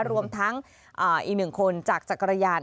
รวมทั้งอีก๑คนจากจักรยาน